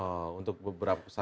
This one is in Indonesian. oh untuk beberapa pesawat